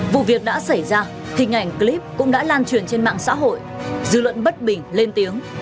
vụ việc đã xảy ra hình ảnh clip cũng đã lan truyền trên mạng xã hội dư luận bất bình lên tiếng